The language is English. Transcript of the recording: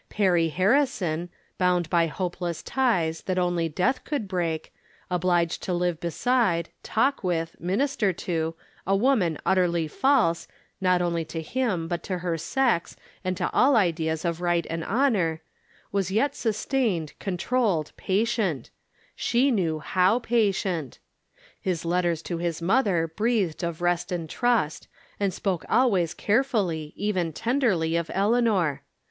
Perry Harrison, bound by hopeless ties that only death could break, obliged to live beside, talk with, minister to, a woman utterly false, not only to him, but to her sex, and to all ideas of right and honor, was yet sustained, controlled, patient ; she knew how patient. His letters to his mother breathed of rest and trust, and spoke always care fully, even tenderly, of Eleanor